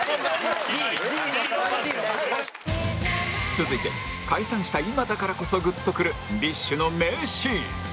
続いて解散した今だからこそグッとくる ＢｉＳＨ の名シーン